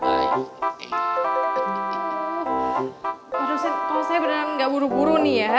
pak dosen kalau saya beneran gak buru buru nih ya